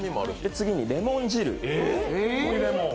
次にレモン汁。